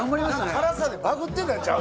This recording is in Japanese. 辛さでバグってたんちゃう？